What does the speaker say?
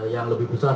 yang lebih besar